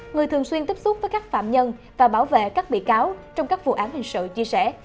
người thường xuyên tiếp xúc với các phạm nhân và bảo vệ các bị cáo trong các vụ án hình sự chia sẻ